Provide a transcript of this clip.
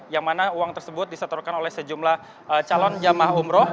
yang mana uang tersebut disetorkan oleh sejumlah calon jamaah umroh